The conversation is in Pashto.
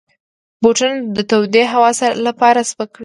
بوټونه د تودې هوا لپاره سپک وي.